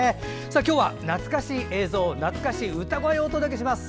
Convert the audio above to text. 今日は懐かしい映像懐かしい歌声をお届けします。